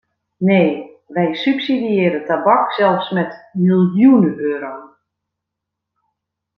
Nee, wij subsidiëren tabak zelfs met miljoenen euro!